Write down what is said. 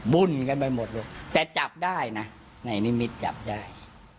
วุ่นกันไปหมดเลยแต่จับได้นะในนิมิตจับได้